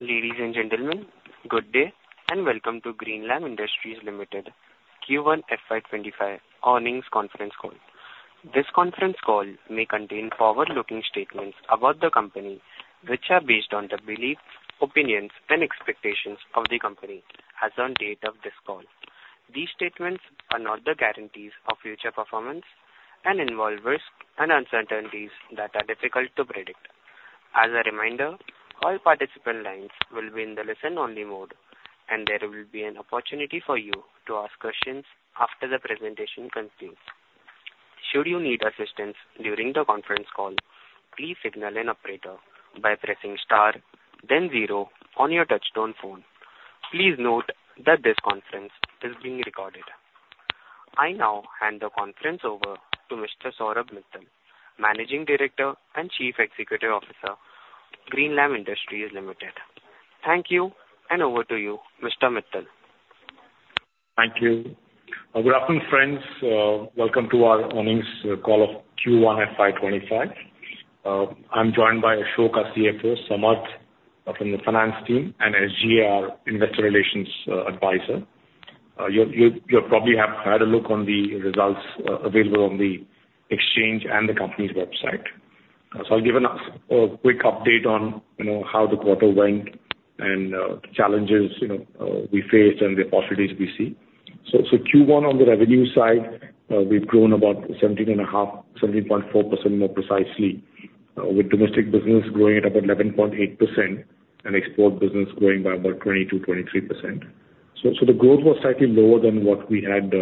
Ladies and gentlemen, good day and welcome to Greenlam Industries Limited, Q1 FY 2025 earnings conference call. This conference call may contain forward-looking statements about the company, which are based on the beliefs, opinions, and expectations of the company as of the date of this call. These statements are not the guarantees of future performance and involve risks and uncertainties that are difficult to predict. As a reminder, all participant lines will be in the listen-only mode, and there will be an opportunity for you to ask questions after the presentation concludes. Should you need assistance during the conference call, please signal an operator by pressing star, then zero on your touch-tone phone. Please note that this conference is being recorded. I now hand the conference over to Mr. Saurabh Mittal, Managing Director and Chief Executive Officer, Greenlam Industries Limited. Thank you, and over to you, Mr. Mittal. Thank you. Good afternoon, friends. Welcome to our earnings call of Q1 FY 2025. I'm joined by Ashok, CFO, Samarth from the finance team, and SGA, our investor relations advisor. You probably have had a look at the results available on the exchange and the company's website. I'll give a quick update on how the quarter went and the challenges we faced and the opportunities we see. Q1, on the revenue side, we've grown about 17.5, 17.4% more precisely, with domestic business growing at about 11.8% and export business growing by about 22%-23%. The growth was slightly lower than what we had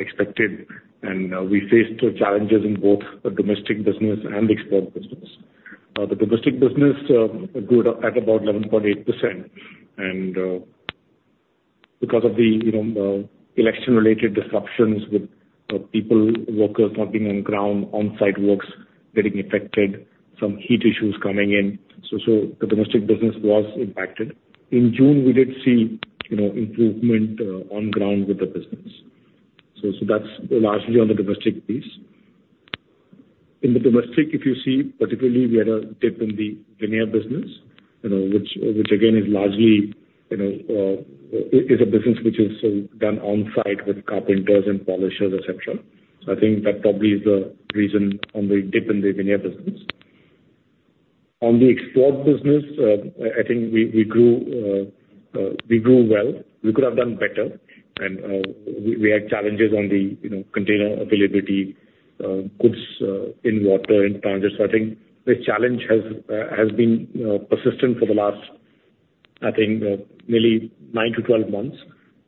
expected, and we faced challenges in both the domestic business and the export business. The domestic business grew at about 11.8%, and because of the election-related disruptions with people, workers not being on ground, on-site works getting affected, some heat issues coming in, so the domestic business was impacted. In June, we did see improvement on ground with the business. So that's largely on the domestic piece. In the domestic, if you see, particularly, we had a dip in the veneer business, which again is largely a business which is done on-site with carpenters and polishers, etc. So I think that probably is the reason on the dip in the veneer business. On the export business, I think we grew well. We could have done better, and we had challenges on the container availability, goods in water, in tonnage. So I think this challenge has been persistent for the last, I think, nearly 9-12 months,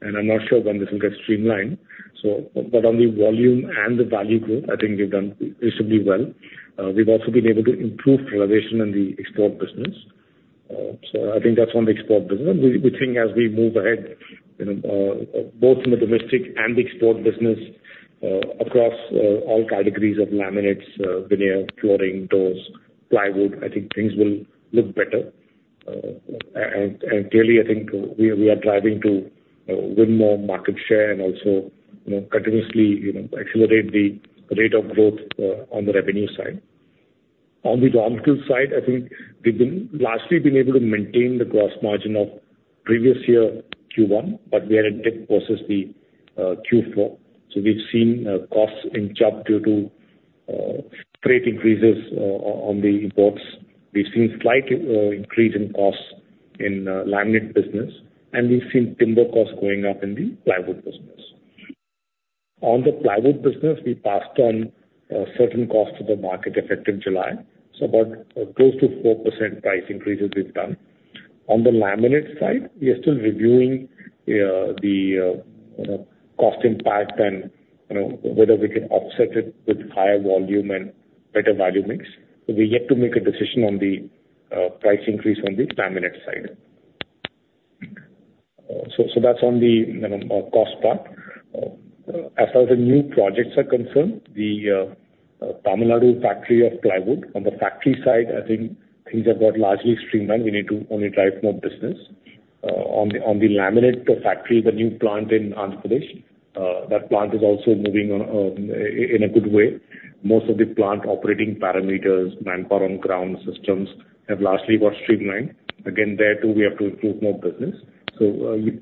and I'm not sure when this will get streamlined. But on the volume and the value growth, I think we've done reasonably well. We've also been able to improve realization in the export business. So I think that's on the export business. We think as we move ahead, both in the domestic and the export business, across all categories of laminates, veneer, flooring, doors, plywood, I think things will look better. And clearly, I think we are driving to win more market share and also continuously accelerate the rate of growth on the revenue side. On the domestic side, I think we've largely been able to maintain the gross margin of previous year Q1, but we had a dip versus the Q4. So we've seen costs in jobs due to rate increases on the imports. We've seen a slight increase in costs in the laminate business, and we've seen timber costs going up in the plywood business. On the plywood business, we passed on certain costs to the market effective July, so about close to 4% price increases we've done. On the laminate side, we are still reviewing the cost impact and whether we can offset it with higher volume and better value mix. We yet to make a decision on the price increase on the laminate side. So that's on the cost part. As far as the new projects are concerned, the Tamil Nadu factory of plywood, on the factory side, I think things have got largely streamlined. We need to only drive more business. On the laminate factory, the new plant in Andhra Pradesh, that plant is also moving in a good way. Most of the plant operating parameters, manpower on ground systems have largely got streamlined. Again, there too, we have to improve more business. So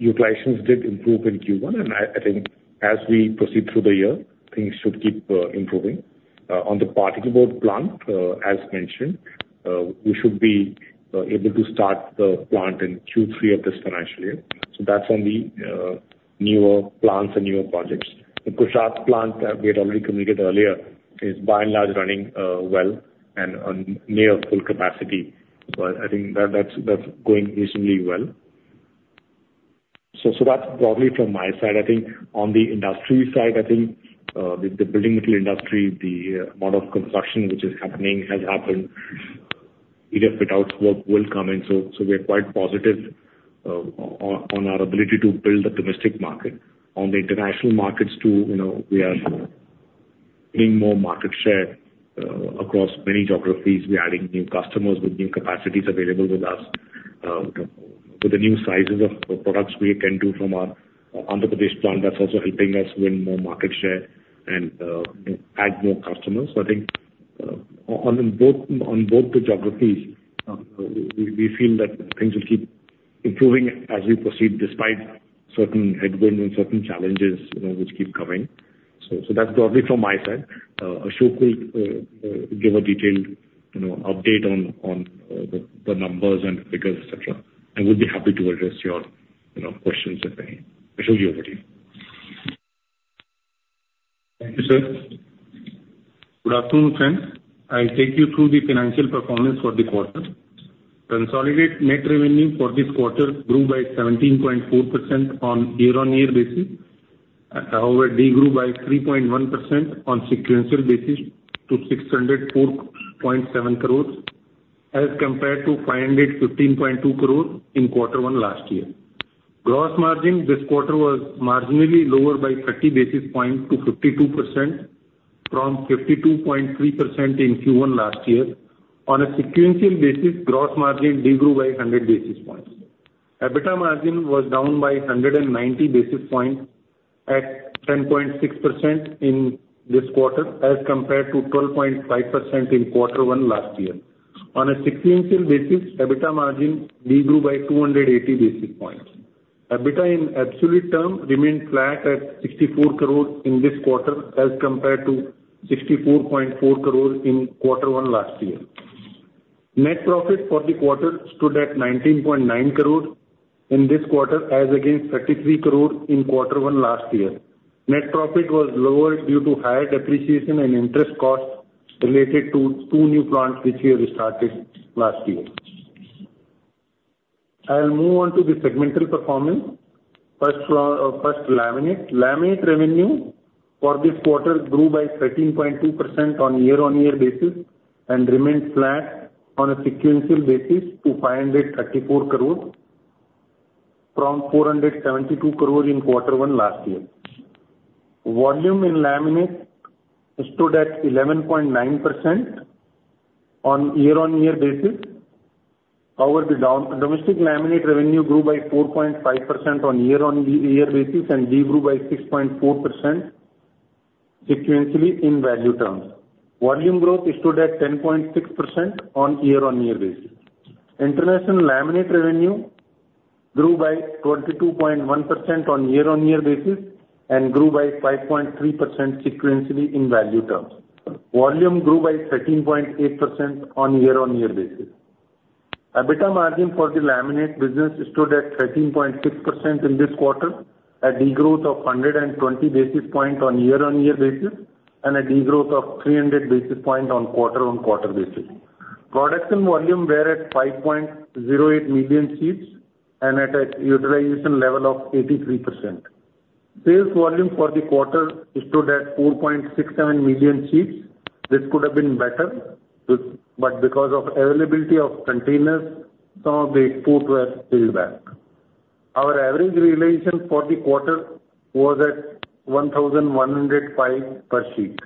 utilizations did improve in Q1, and I think as we proceed through the year, things should keep improving. On the particleboard plant, as mentioned, we should be able to start the plant in Q3 of this financial year. So that's on the newer plants and newer projects. The Prantij plant, we had already communicated earlier, is by and large running well and near full capacity. So I think that's going reasonably well. So that's probably from my side. I think on the industry side, I think the building material industry, the amount of construction which is happening has happened. A bit of woodwork will come in. We are quite positive on our ability to build the domestic market. On the international markets too, we are getting more market share across many geographies. We are adding new customers with new capacities available with us, with the new sizes of products we can do from our Andhra Pradesh plant. That's also helping us win more market share and add more customers. I think on both the geographies, we feel that things will keep improving as we proceed despite certain headwinds and certain challenges which keep coming. That's probably from my side. Ashok will give a detailed update on the numbers and figures, etc., and we'll be happy to address your questions if any. Ashok, you're ready. Thank you, sir. Good afternoon, friends. I'll take you through the financial performance for the quarter. Consolidated net revenue for this quarter grew by 17.4% on year-over-year basis. However, it did grow by 3.1% on sequential basis to 604.7 crore as compared to 515.2 crore in quarter one last year. Gross margin this quarter was marginally lower by 30 basis points to 52% from 52.3% in Q1 last year. On a sequential basis, gross margin did grow by 100 basis points. EBITDA margin was down by 190 basis points at 10.6% in this quarter as compared to 12.5% in quarter one last year. On a sequential basis, EBITDA margin did grow by 280 basis points. EBITDA in absolute term remained flat at 64 crore in this quarter as compared to 64.4 crore in quarter one last year. Net profit for the quarter stood at 19.9 crore in this quarter as against 33 crore in quarter one last year. Net profit was lower due to higher depreciation and interest costs related to two new plants which we had started last year. I'll move on to the segmental performance. First laminate. Laminate revenue for this quarter grew by 13.2% on year-over-year basis and remained flat on a sequential basis to 534 crore from 472 crore in quarter one last year. Volume in laminate stood at 11.9% on year-over-year basis. However, the domestic laminate revenue grew by 4.5% on year-over-year basis and did grow by 6.4% sequentially in value terms. Volume growth stood at 10.6% on year-over-year basis. International laminate revenue grew by 22.1% on year-over-year basis and grew by 5.3% sequentially in value terms. Volume grew by 13.8% on year-over-year basis. EBITDA margin for the laminate business stood at 13.6% in this quarter at a growth of 120 basis points on year-over-year basis and a growth of 300 basis points on quarter-over-quarter basis. Production volume was at 5.08 million sheets and at a utilization level of 83%. Sales volume for the quarter stood at 4.67 million sheets. This could have been better, but because of availability of containers, some of the export was held back. Our average realization for the quarter was at 1,105 per sheet.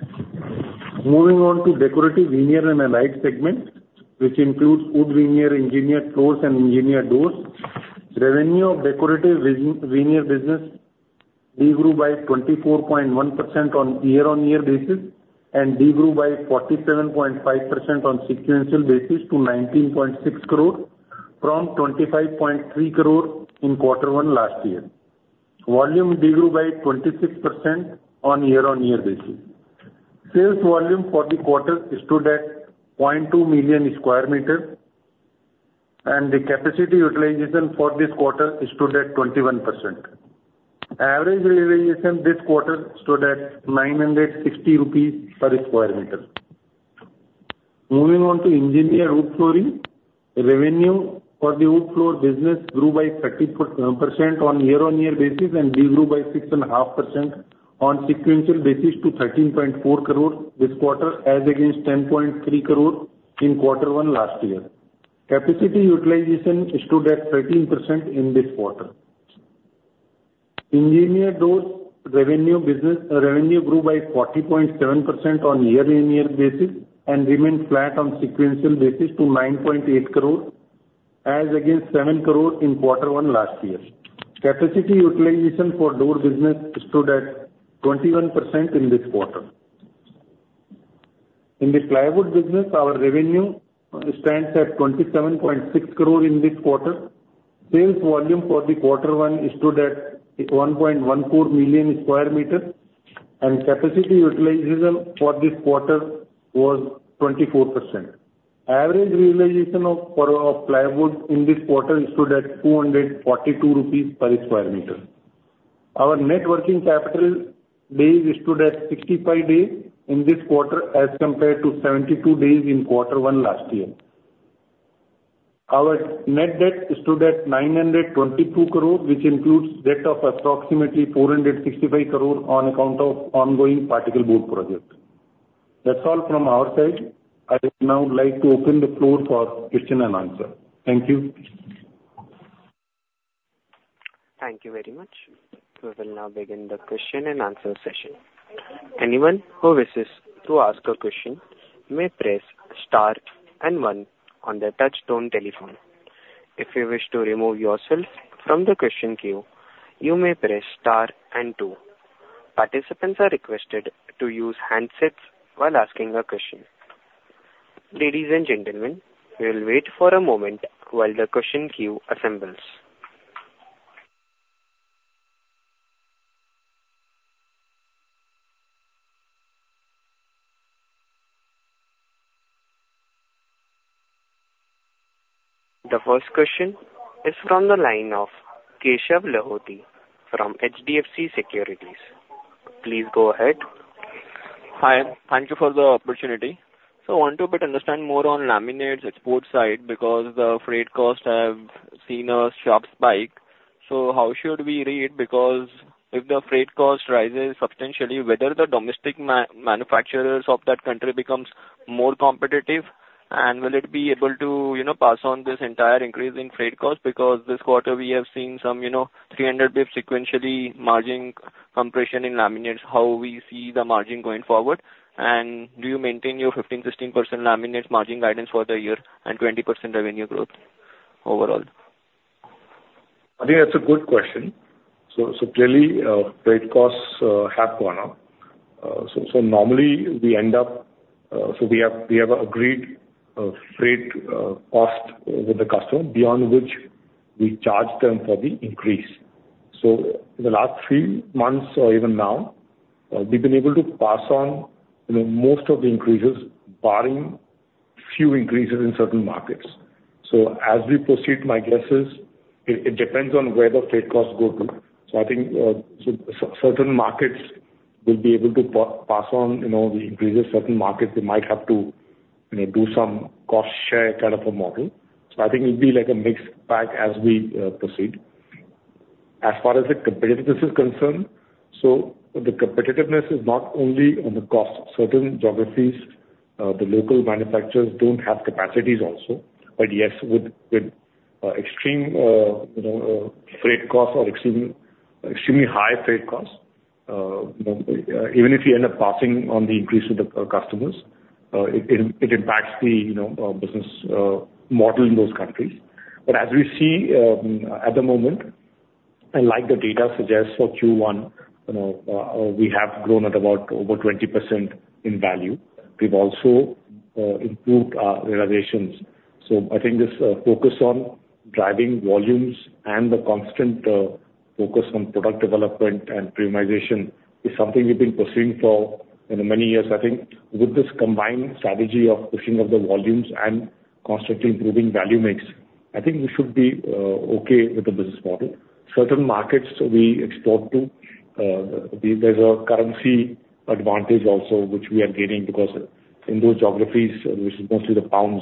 Moving on to decorative veneer and allied segment, which includes wood veneer engineered floors and engineered doors, revenue of decorative veneer business did grow by 24.1% on year-over-year basis and did grow by 47.5% on sequential basis to 19.6 crores from 25.3 crores in quarter one last year. Volume did grow by 26% on year-over-year basis. Sales volume for the quarter stood at 0.2 million sq m, and the capacity utilization for this quarter stood at 21%. Average realization this quarter stood at 960 rupees per sq m. Moving on to engineered wood flooring, revenue for the wood floor business grew by 30% on year-on-year basis and did grow by 6.5% on sequential basis to 13.4 crores this quarter as against 10.3 crores in quarter one last year. Capacity utilization stood at 13% in this quarter. Engineered doors revenue grew by 40.7% on year-on-year basis and remained flat on sequential basis to 9.8 crores as against 7 crores in quarter one last year. Capacity utilization for door business stood at 21% in this quarter. In the plywood business, our revenue stands at 27.6 crores in this quarter. Sales volume for the quarter one stood at 1.14 million square meters, and capacity utilization for this quarter was 24%. Average realization of plywood in this quarter stood at INR 242 per square meter. Our net working capital days stood at 65 days in this quarter as compared to 72 days in quarter one last year. Our net debt stood at 922 crores, which includes debt of approximately 465 crores on account of ongoing particleboard projects. That's all from our side. I would now like to open the floor for question and answer. Thank you. Thank you very much. We will now begin the question and answer session. Anyone who wishes to ask a question may press star and one on the touch-tone telephone. If you wish to remove yourself from the question queue, you may press star and two. Participants are requested to use handsets while asking a question. Ladies and gentlemen, we will wait for a moment while the question queue assembles. The first question is from the line of Keshav Lahoti from HDFC Securities. Please go ahead. Hi. Thank you for the opportunity. So I want to better understand more on laminates export side because the freight costs have seen a sharp spike. So how should we read? Because if the freight cost rises substantially, whether the domestic manufacturers of that country become more competitive, and will it be able to pass on this entire increase in freight costs? Because this quarter we have seen some 300 basis points sequentially margin compression in laminates. How do we see the margin going forward? And do you maintain your 15%-16% laminates margin guidance for the year and 20% revenue growth overall? I think that's a good question. So clearly, freight costs have gone up. So normally we end up, so we have agreed freight cost with the customer beyond which we charge them for the increase. So in the last few months or even now, we've been able to pass on most of the increases, barring few increases in certain markets. So as we proceed, my guess is it depends on where the freight costs go to. So I think certain markets will be able to pass on the increases. Certain markets, they might have to do some cost share kind of a model. So I think it'll be like a mixed bag as we proceed. As far as the competitiveness is concerned, so the competitiveness is not only on the cost. Certain geographies, the local manufacturers don't have capacities also. But yes, with extreme freight costs or extremely high freight costs, even if you end up passing on the increase to the customers, it impacts the business model in those countries. But as we see at the moment, and like the data suggests for Q1, we have grown at about over 20% in value. We've also improved our realizations. So I think this focus on driving volumes and the constant focus on product development and premiumization is something we've been pursuing for many years. I think with this combined strategy of pushing of the volumes and constantly improving value mix, I think we should be okay with the business model. Certain markets we export to, there's a currency advantage also which we are gaining because in those geographies, which is mostly the pounds,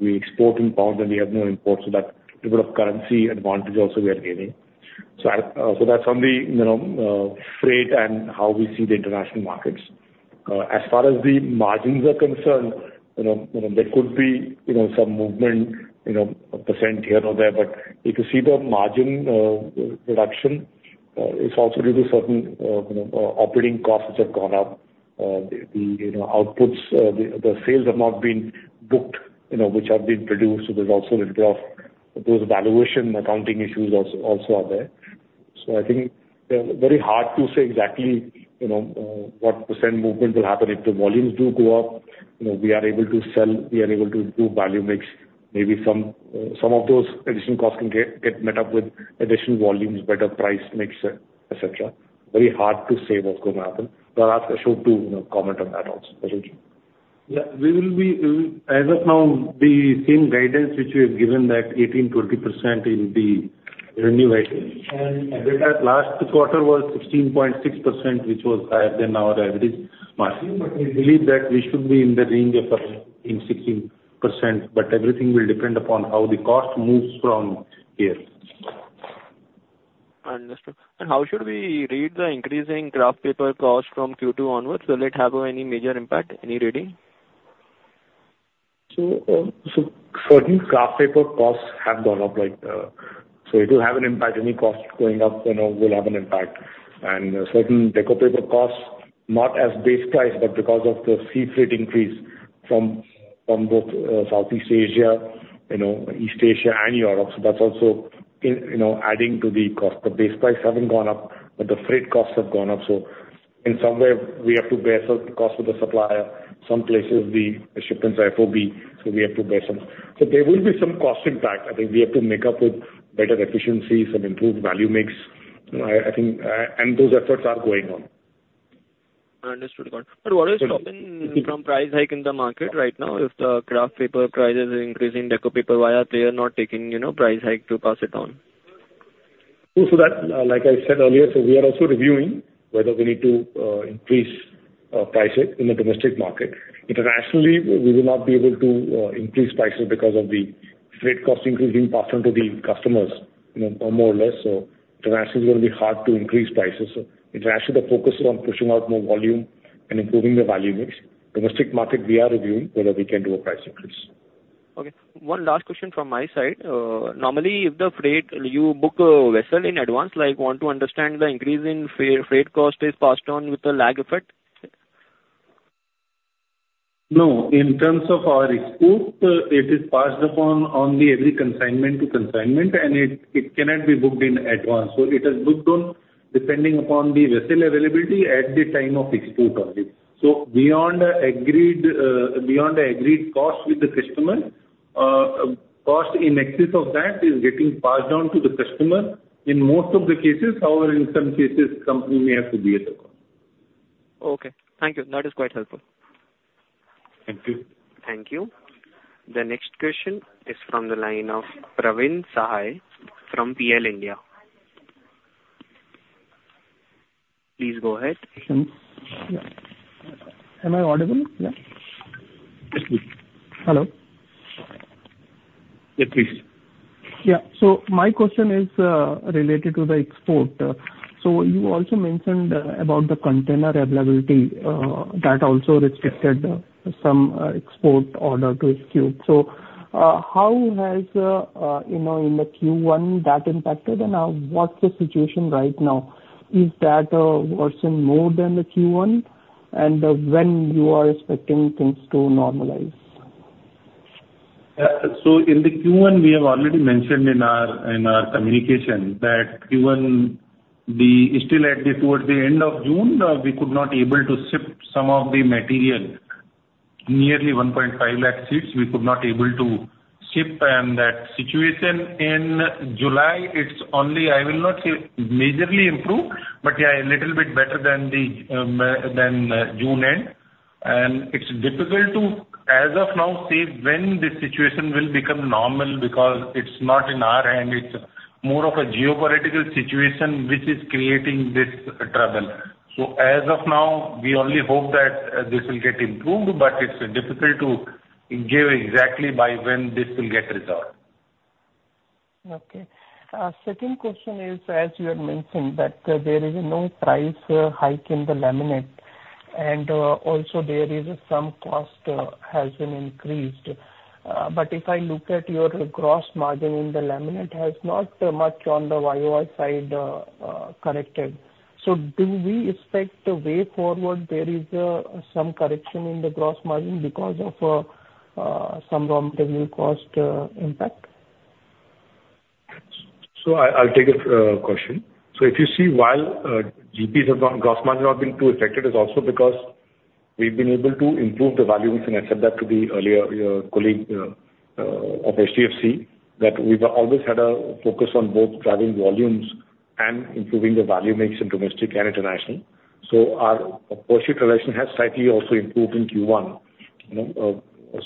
we export in pounds and we have no imports. So that little bit of currency advantage also we are gaining. So that's on the freight and how we see the international markets. As far as the margins are concerned, there could be some movement % here or there, but if you see the margin reduction, it's also due to certain operating costs which have gone up. The outputs, the sales have not been booked which have been produced. So there's also a little bit of those valuation accounting issues also are there. So I think very hard to say exactly what % movement will happen. If the volumes do go up, we are able to sell, we are able to do value mix. Maybe some of those additional costs can get met up with additional volumes, better price mix, etc. Very hard to say what's going to happen. So I'll ask Ashok to comment on that also. Yeah. We will be, as of now, the same guidance which we have given that 18%-20% in the revenue items. EBITDA last quarter was 16.6%, which was higher than our average margin. We believe that we should be in the range of 16%, but everything will depend upon how the cost moves from here. Understood. How should we read the increasing kraft paper cost from Q2 onwards? Will it have any major impact, any reading? So certain kraft paper costs have gone up. So it will have an impact. Any cost going up will have an impact. And certain deco paper costs, not as base price, but because of the sea freight increase from both Southeast Asia, East Asia, and Europe. So that's also adding to the cost. The base price hasn't gone up, but the freight costs have gone up. So in some way, we have to bear some cost with the supplier. Some places, the shipments are FOB, so we have to bear some. So there will be some cost impact. I think we have to make up with better efficiencies and improve value mix. I think, and those efforts are going on. Understood. But what is coming from price hike in the market right now? If the kraft paper prices are increasing, decor paper why, they are not taking price hike to pass it on. So like I said earlier, so we are also reviewing whether we need to increase prices in the domestic market. Internationally, we will not be able to increase prices because of the freight cost increasing passed on to the customers more or less. So internationally is going to be hard to increase prices. So internationally, the focus is on pushing out more volume and improving the value mix. Domestic market, we are reviewing whether we can do a price increase. Okay. One last question from my side. Normally, if the freight, you book a vessel in advance, like want to understand the increase in freight cost is passed on with the lag effect? No. In terms of our export, it is passed upon on the every consignment to consignment, and it cannot be booked in advance. It is booked on depending upon the vessel availability at the time of export only. Beyond the agreed cost with the customer, cost in excess of that is getting passed down to the customer in most of the cases. However, in some cases, company may have to be at the cost. Okay. Thank you. That is quite helpful. Thank you. Thank you. The next question is from the line of Praveen Sahay from PL India. Please go ahead. Am I audible? Yeah. Yes, please. Hello? Yeah, please. Yeah. So my question is related to the export. So you also mentioned about the container availability that also restricted some export order to execute. So how has that impacted in Q1? And what's the situation right now? Is that worsened more than Q1? And when are you expecting things to normalize? So in the Q1, we have already mentioned in our communication that Q1, still towards the end of June, we could not be able to ship some of the material, nearly 150,000 sheets, we could not be able to ship. And that situation in July, it's only, I will not say majorly improved, but yeah, a little bit better than June end. And it's difficult to, as of now, say when the situation will become normal because it's not in our hand. It's more of a geopolitical situation which is creating this trouble. So as of now, we only hope that this will get improved, but it's difficult to give exactly by when this will get resolved. Okay. Second question is, as you had mentioned that there is no price hike in the laminate, and also there is some cost has been increased. But if I look at your gross margin in the laminate, it has not much on the year-over-year side corrected. So do we expect going forward there is some correction in the gross margin because of some raw material cost impact? So, I'll take a question. So, if you see, while GPs have gone, gross margin has not been too affected. This is also because we've been able to improve the value mix. And I said that to the earlier colleague of HDFC that we've always had a focus on both driving volumes and improving the value mix in domestic and international. So, our realization has slightly also improved in Q1.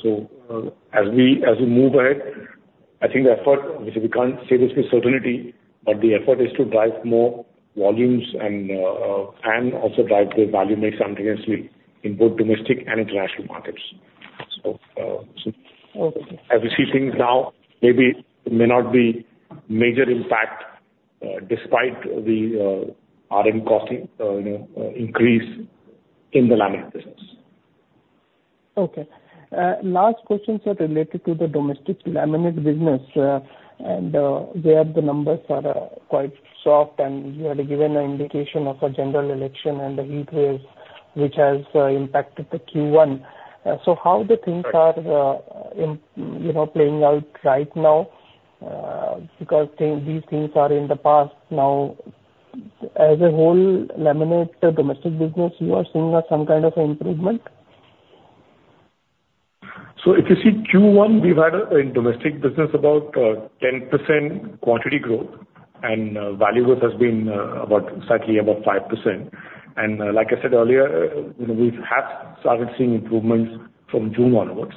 So, as we move ahead, I think the effort, which we can't say this with certainty, but the effort is, to drive more volumes and also drive the value mix underneath in both domestic and international markets. So, as we see things now, maybe it may not be major impact despite the RM cost increase in the laminate business. Okay. Last questions are related to the domestic laminate business. There the numbers are quite soft, and you had given an indication of a general election and the heat wave, which has impacted the Q1. So how the things are playing out right now? Because these things are in the past now. As a whole, laminate domestic business, you are seeing some kind of improvement? So if you see Q1, we've had in domestic business about 10% quantity growth, and value growth has been slightly above 5%. And like I said earlier, we have started seeing improvements from June onwards.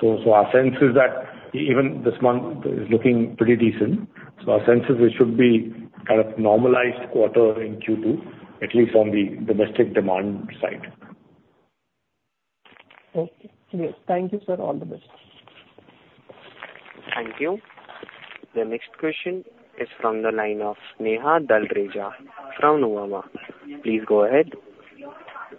So our sense is that even this month is looking pretty decent. So our sense is it should be kind of normalized quarter in Q2, at least on the domestic demand side. Okay. Thank you, sir. All the best. Thank you. The next question is from the line of Sneha Talreja from Nuvama. Please go ahead.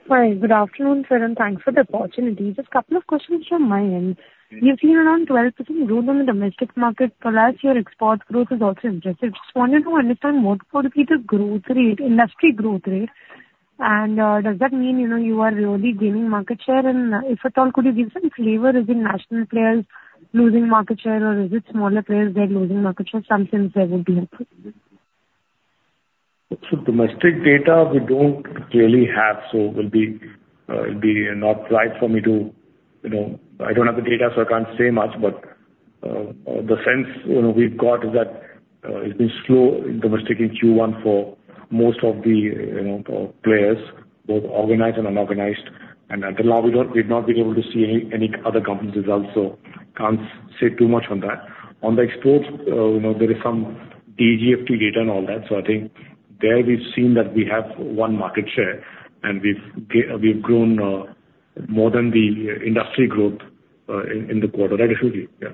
Hi. Good afternoon, sir, and thanks for the opportunity. Just a couple of questions from my end. You've seen around 12% growth on the domestic market, perhaps your export growth is also interesting. Just wanted to understand what would be the growth rate, industry growth rate. And does that mean you are really gaining market share? And if at all, could you give some flavor? Is it national players losing market share, or is it smaller players that are losing market share? Some sense that would be helpful. So, domestic data we don't really have, so it will not be right for me to. I don't have the data, so I can't say much. The sense we've got is that it's been slow domestic in Q1 for most of the players, both organized and unorganized. Until now, we've not been able to see any other companies' results, so can't say too much on that. On the exports, there is some DGFT data and all that. So I think there we've seen that we have won market share, and we've grown more than the industry growth in the quarter. That is true. Yeah.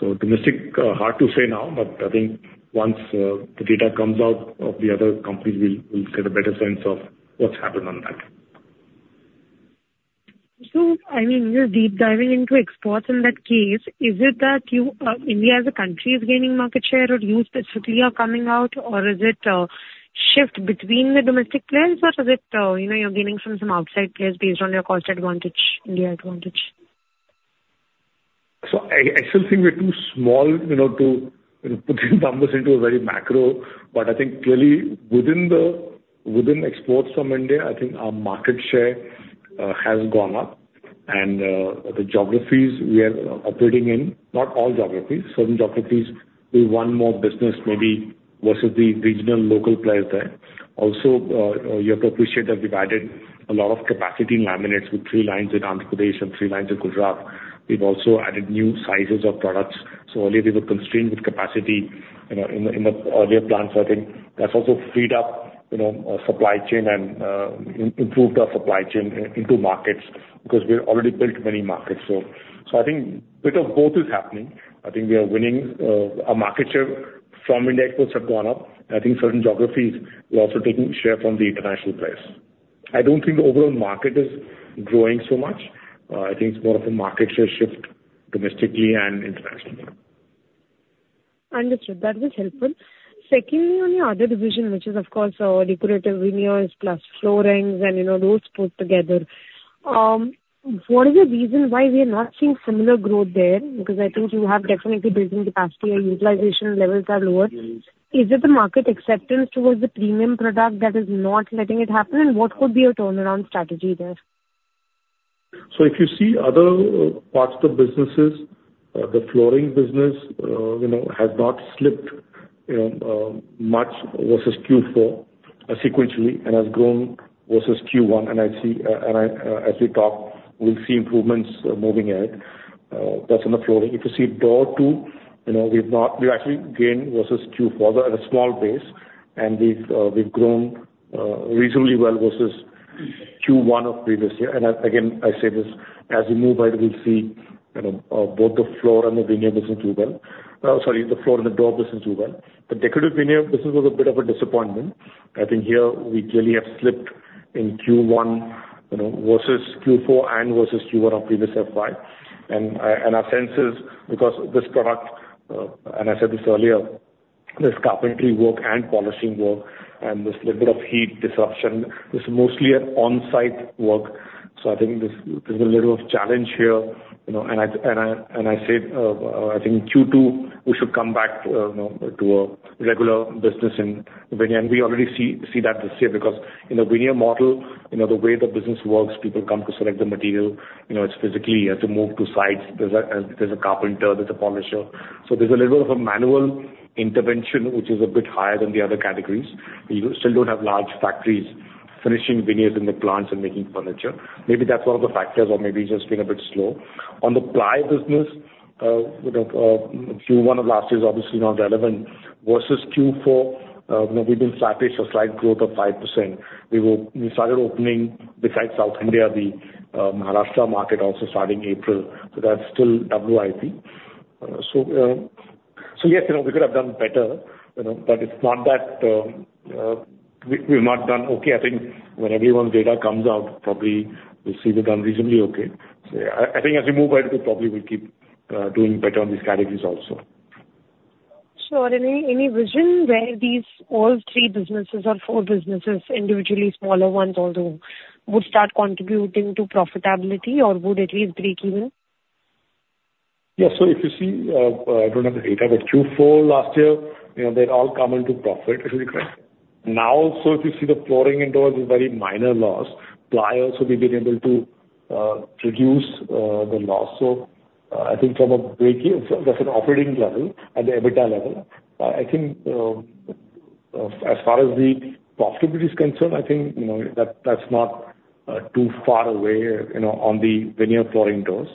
Domestic, hard to say now, but I think once the data comes out of the other companies, we'll get a better sense of what's happened on that. So I mean, you're deep diving into exports in that case. Is it that India as a country is gaining market share, or you specifically are coming out, or is it a shift between the domestic players, or is it you're gaining from some outside players based on your cost advantage, India advantage? So I still think we're too small to put these numbers into a very macro. But I think clearly within exports from India, I think our market share has gone up. And the geographies we are operating in, not all geographies, certain geographies, we've won more business maybe versus the regional local players there. Also, you have to appreciate that we've added a lot of capacity in laminates with three lines in Andhra Pradesh and three lines in Gujarat. We've also added new sizes of products. So earlier, we were constrained with capacity in the earlier plants. I think that's also freed up our supply chain and improved our supply chain into markets because we've already built many markets. So I think a bit of both is happening. I think we are winning our market share from India exports have gone up. I think certain geographies are also taking share from the international players. I don't think the overall market is growing so much. I think it's more of a market share shift domestically and internationally. Understood. That was helpful. Secondly, on your other division, which is of course decorative veneers plus floorings and those put together, what is the reason why we are not seeing similar growth there? Because I think you have definitely built-in capacity or utilization levels are lower. Is it the market acceptance towards the premium product that is not letting it happen, and what could be your turnaround strategy there? So if you see other parts of the businesses, the flooring business has not slipped much versus Q4 sequentially and has grown versus Q1. And as we talk, we'll see improvements moving ahead. That's in the flooring. If you see doors too, we've actually gained versus Q4 at a small base, and we've grown reasonably well versus Q1 of previous year. And again, I say this, as we move ahead, we'll see both the floor and the veneer business do well. Sorry, the floor and the door business do well. The decorative veneer business was a bit of a disappointment. I think here we clearly have slipped in Q1 versus Q4 and versus Q1 of previous FY. And our sense is because this product, and I said this earlier, there's carpentry work and polishing work, and there's a little bit of heat disruption. This is mostly an on-site work. So, I think there's a little bit of challenge here. I say, I think Q2, we should come back to a regular business in veneer. We already see that this year because in the veneer model, the way the business works, people come to select the material. It's physically you have to move to sites. There's a carpenter, there's a polisher. So there's a little bit of a manual intervention, which is a bit higher than the other categories. You still don't have large factories finishing veneers in the plants and making furniture. Maybe that's one of the factors or maybe just being a bit slow. On the ply business, Q1 of last year is obviously not relevant versus Q4. We've been slightly a slight growth of 5%. We started opening besides South India, the Maharashtra market also starting April. So that's still WIP. So yes, we could have done better, but it's not that we've not done okay. I think when everyone's data comes out, probably we'll see we've done reasonably okay. So I think as we move ahead, we probably will keep doing better on these categories also. Sure. Any vision where these all three businesses or four businesses, individually smaller ones, would start contributing to profitability or would at least break even? Yeah. So if you see, I don't have the data, but Q4 last year, they'd all come into profit, as you described. Now, so if you see the flooring and doors is very minor loss. Ply also we've been able to reduce the loss. So I think from a break-even, that's an operating level and the EBITDA level. I think as far as the profitability is concerned, I think that's not too far away on the veneer flooring doors.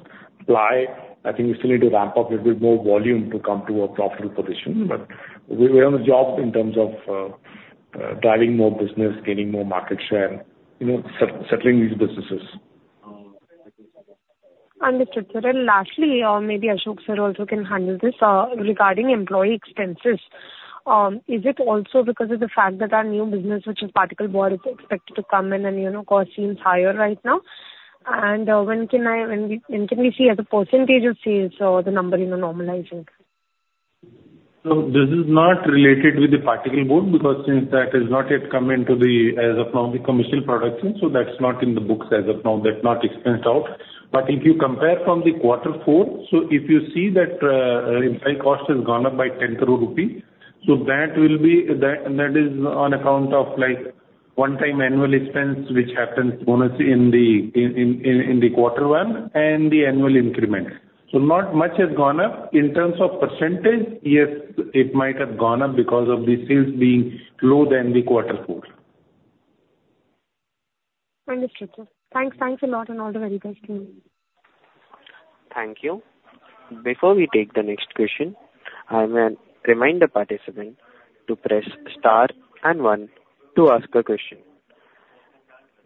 Ply, I think we still need to ramp up a little bit more volume to come to a profitable position. But we're on the job in terms of driving more business, gaining more market share, scaling these businesses. Understood. Sir Elashli, or maybe Ashok Sir also can handle this regarding employee expenses. Is it also because of the fact that our new business, which is particle board, is expected to come in and cost seems higher right now? And when can we see as a percentage of sales or the number normalizing? So this is not related with the particle board because that has not yet come into the, as of now, the commercial production. So that's not in the books as of now. They've not expensed out. But if you compare from the quarter four, so if you see that employee cost has gone up by 10 crore rupees, so that will be, that is on account of one-time annual expense, which happens in the quarter one and the annual increment. So not much has gone up. In terms of %, yes, it might have gone up because of the sales being lower than the quarter four. Understood, sir. Thanks. Thanks a lot and all the very best. Thank you. Before we take the next question, I will remind the participant to press star and one to ask a question.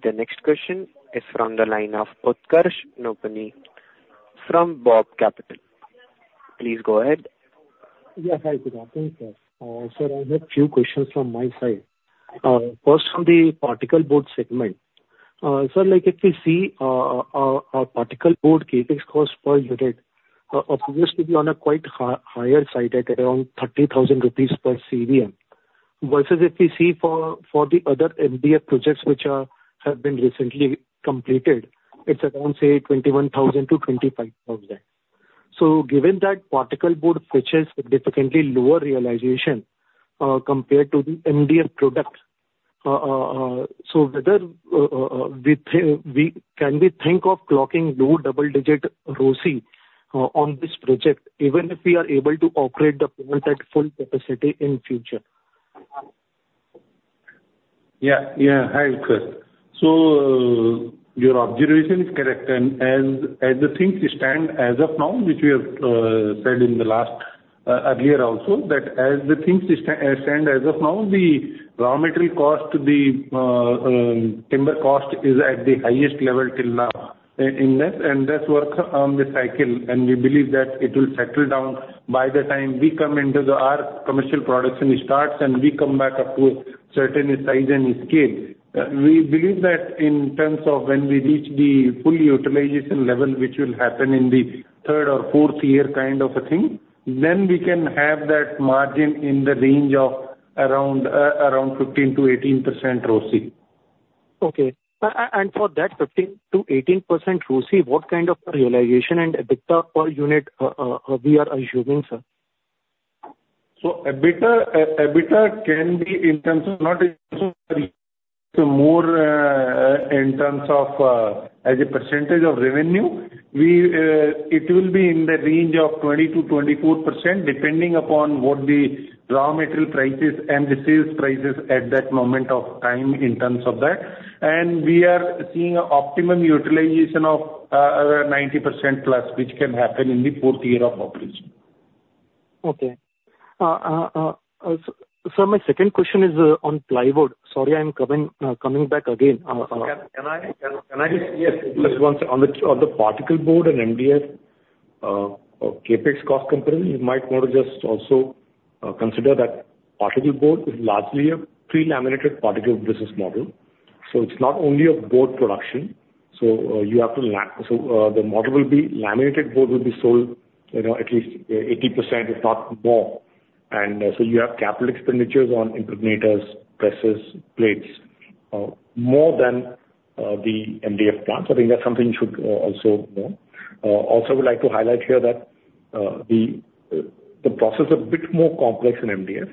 The next question is from the line of Utkarsh Nopany from BOB Capital. Please go ahead. Yes, hi Saurabh. Thank you, sir. Sir, I have a few questions from my side. First, on the particle board segment, sir, if we see our particle board capex cost per unit, it appears to be on a quite higher side at around 30,000 rupees per CVM versus if we see for the other MDF projects which have been recently completed, it's around, say, 21,000-25,000. So given that particle board features significantly lower realization compared to the MDF product, so whether can we think of clocking low double-digit ROCE on this project, even if we are able to operate the plant at full capacity in future? Yeah. Yeah. Hi, Utkarsh. So your observation is correct. And as the things stand as of now, which we have said in the last earlier also, that as the things stand as of now, the raw material cost, the timber cost is at the highest level till now. And that's work on the cycle. And we believe that it will settle down by the time we come into our commercial production starts and we come back up to a certain size and scale. We believe that in terms of when we reach the full utilization level, which will happen in the third or fourth year kind of a thing, then we can have that margin in the range of around 15%-18% ROCE. Okay. And for that 15%-18% ROCE, what kind of realization and EBITDA per unit we are assuming, sir? EBITDA can be in terms of, not in terms of more, in terms of as a % of revenue. It will be in the range of 20%-24% depending upon what the raw material prices and the sales prices at that moment of time in terms of that. We are seeing optimum utilization of 90%+, which can happen in the fourth year of operation. Okay. Sir, my second question is on plywood. Sorry, I'm coming back again. Can I just, yes, just once, on the particle board and MDF CapEx cost comparison? You might want to just also consider that particle board is largely a pre-laminated particle business model. So it's not only a board production. So you have to, the model will be laminated board will be sold at least 80%, if not more. And so you have capital expenditures on impregnators, presses, plates more than the MDF plants. I think that's something you should also know. Also, I would like to highlight here that the process is a bit more complex in MDF.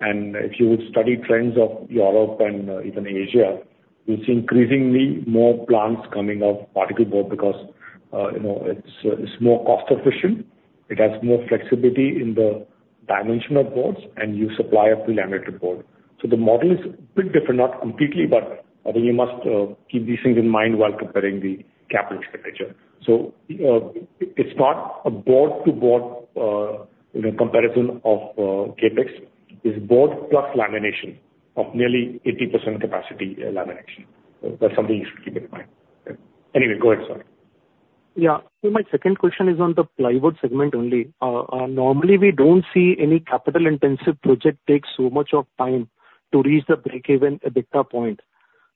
And if you would study trends of Europe and even Asia, you'll see increasingly more plants coming of particle board because it's more cost-efficient. It has more flexibility in the dimension of boards, and you supply a pre-laminated board. So the model is a bit different, not completely, but I think you must keep these things in mind while comparing the capital expenditure. So it's not a board-to-board comparison of CapEx. It's board plus lamination of nearly 80% capacity lamination. That's something you should keep in mind. Anyway, go ahead, sir. Yeah. So my second question is on the plywood segment only. Normally, we don't see any capital-intensive project take so much of time to reach the break-even EBITDA point.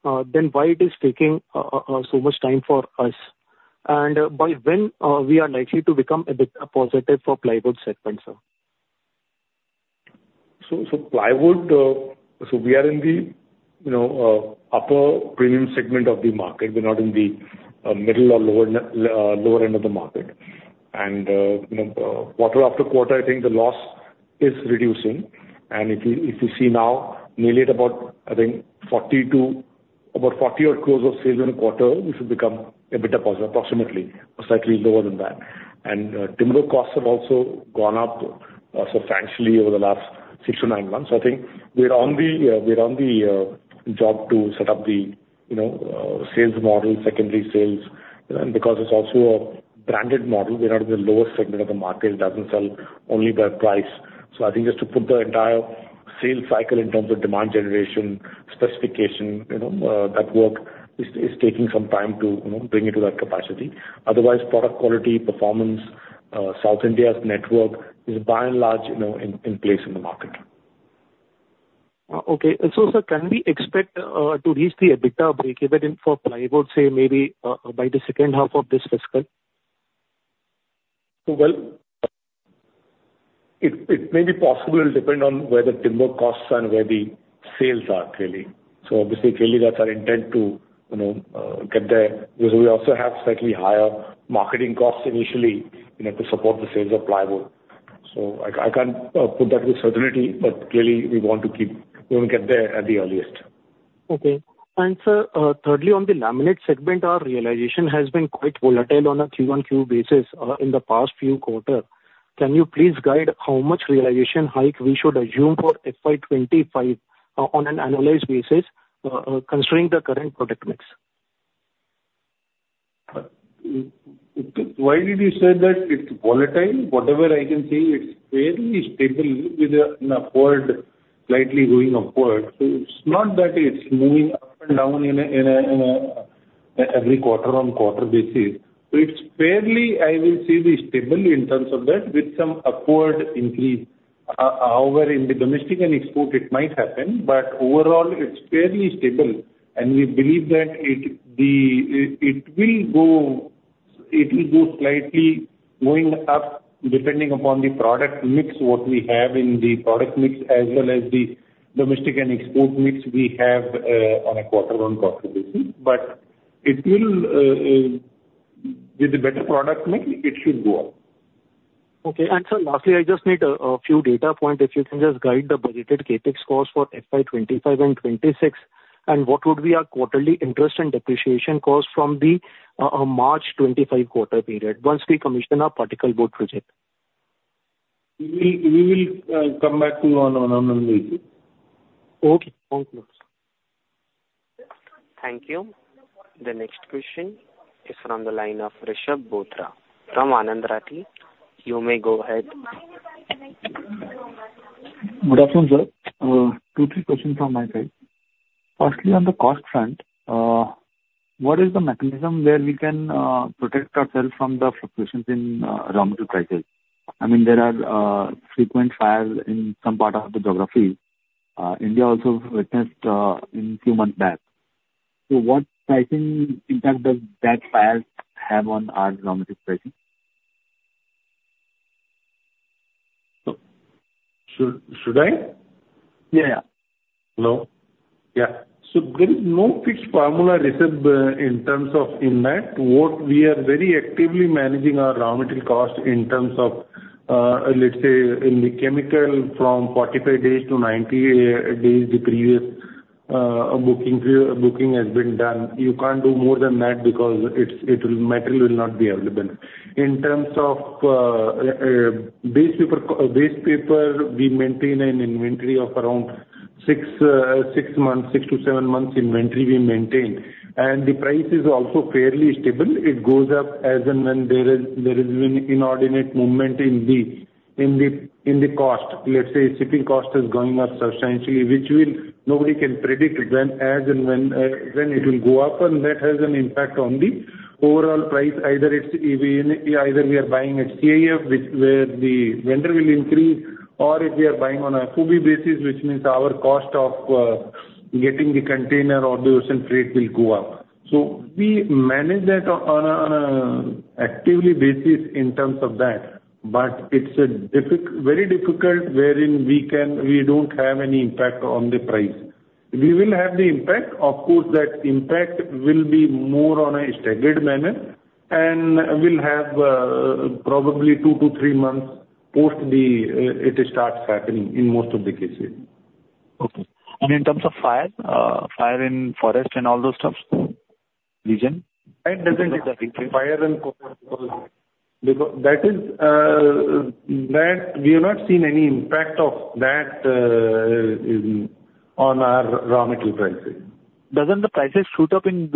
Then why is it taking so much time for us? And by when we are likely to become EBITDA positive for plywood segment, sir? So plywood, so we are in the upper premium segment of the market. We're not in the middle or lower end of the market. Quarter after quarter, I think the loss is reducing. And if you see now, nearly at about, I think, 40 or close to sales in a quarter, we should become EBITDA positive, approximately slightly lower than that. And timber costs have also gone up substantially over the last six to nine months. So I think we're on the job to set up the sales model, secondary sales. And because it's also a branded model, we're not in the lowest segment of the market. It doesn't sell only by price. So I think just to put the entire sales cycle in terms of demand generation, specification, that work is taking some time to bring it to that capacity. Otherwise, product quality, performance, South India's network is by and large in place in the market. Okay. So sir, can we expect to reach the EBITDA break-even for plywood, say, maybe by the second half of this fiscal? Well, it may be possible. It'll depend on where the timber costs and where the sales are clearly. So obviously, clearly, that's our intent to get there. We also have slightly higher marketing costs initially to support the sales of plywood. So I can't put that with certainty, but clearly, we want to keep we want to get there at the earliest. Okay. Sir, thirdly, on the laminate segment, our realization has been quite volatile on a Q1, Q2 basis in the past few quarters. Can you please guide how much realization hike we should assume for FY 2025 on an annualized basis considering the current product mix? Why did you say that it's volatile? Whatever I can see, it's fairly stable with the forward slightly going upward. So it's not that it's moving up and down every quarter-on-quarter basis. So it's fairly, I will say, stable in terms of that with some upward increase. However, in the domestic and export, it might happen, but overall, it's fairly stable. We believe that it will go slightly going up depending upon the product mix, what we have in the product mix as well as the domestic and export mix we have on a quarter-on-quarter basis. But with a better product mix, it should go up. Okay. Sir, lastly, I just need a few data points. If you can just guide the budgeted CapEx cost for FY 2025 and 2026, and what would be our quarterly interest and depreciation cost from the March 2025 quarter period once we commission our particle board project? We will come back to you on the weekly. Okay. Thank you. The next question is from the line of Rishab Bothra from Anand Rathi. You may go ahead. Good afternoon, sir. Two or three questions from my side. Firstly, on the cost front, what is the mechanism where we can protect ourselves from the fluctuations in raw material prices? I mean, there are frequent fires in some part of the geography. India also witnessed in a few months back. So what pricing impact does that fire have on our raw material pricing? Should I? Yeah, yeah. No? Yeah. So there is no fixed formula, Rishab, in terms of in that. What we are very actively managing our raw material cost in terms of, let's say, in the chemical from 45 days to 90 days the previous booking has been done. You can't do more than that because the material will not be available. In terms of base paper, we maintain an inventory of around six months, six to seven months inventory we maintain. And the price is also fairly stable. It goes up as and when there is an inordinate movement in the cost. Let's say shipping cost is going up substantially, which nobody can predict when it will go up. And that has an impact on the overall price. Either we are buying at CIF, where the vendor will increase, or if we are buying on an FOB basis, which means our cost of getting the container or the ocean freight will go up. So we manage that on an active basis in terms of that. But it's very difficult wherein we don't have any impact on the price. We will have the impact. Of course, that impact will be more on a staggered manner and will have probably 2-3 months post it starts happening in most of the cases. Okay. And in terms of fire, fire in forest and all those stuff region? Fire and that is that we have not seen any impact of that on our raw material prices. Doesn't the prices shoot up during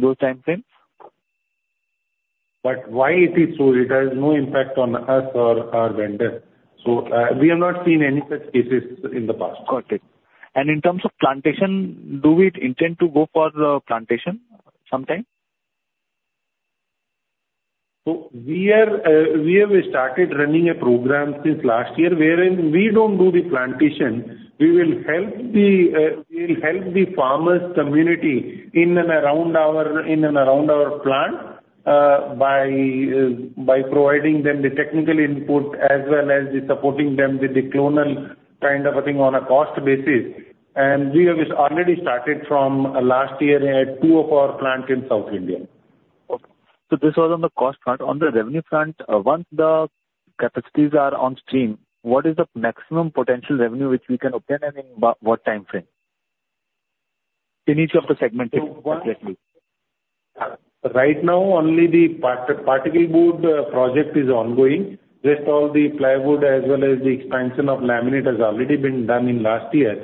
those time frames? But why it is so? It has no impact on us or our vendor. So we have not seen any such cases in the past. Got it. In terms of plantation, do we intend to go for plantation sometime? We have started running a program since last year wherein we don't do the plantation. We will help the farmers' community in and around our plant by providing them the technical input as well as supporting them with the clonal kind of a thing on a cost basis. We have already started from last year at two of our plants in South India. Okay. So this was on the cost front. On the revenue front, once the capacities are on stream, what is the maximum potential revenue which we can obtain and in what time frame? In each of the segments exactly. Right now, only the particle board project is ongoing. Just all the ply board as well as the expansion of laminate has already been done in last year.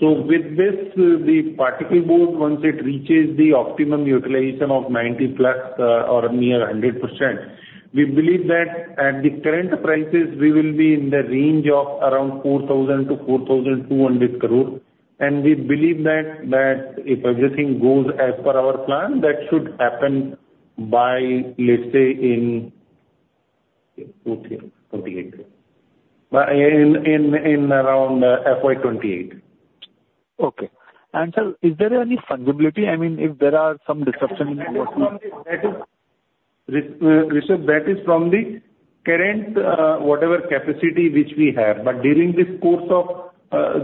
So with this, the particle board, once it reaches the optimum utilization of 90%+ or near 100%, we believe that at the current prices, we will be in the range of around 4,000 crore-4,200 crore. And we believe that if everything goes as per our plan, that should happen by, let's say, in 28, in around FY 2028. Okay. And sir, is there any fungibility? I mean, if there are some disruption in what we? Rishabh, that is from the current whatever capacity which we have. But during this course of